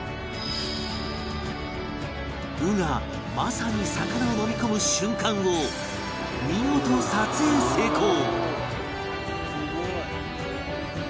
鵜がまさに魚をのみ込む瞬間を見事撮影成功！